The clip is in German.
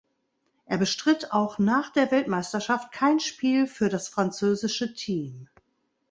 Er bestritt auch nach der Weltmeisterschaft kein Spiel für das französische Team.